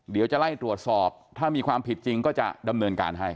เดี๋ยวจะไล่ตรวจสอบถ้ามีความผิดจริงก็จะดำเนินการให้